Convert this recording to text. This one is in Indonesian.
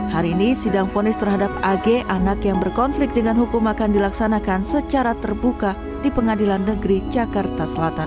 hari ini sidang fonis terhadap ag anak yang berkonflik dengan hukum akan dilaksanakan secara terbuka di pengadilan negeri jakarta selatan